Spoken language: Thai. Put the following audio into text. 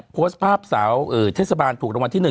โพสต์ภาพสาวเทศบาลถูกรางวัลที่๑